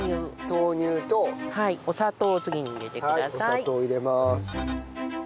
お砂糖入れます。